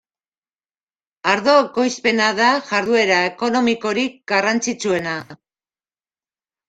Ardo ekoizpena da jarduera ekonomikorik garrantzitsuena.